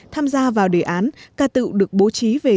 tham gia vào đề án ca tự được bố trí về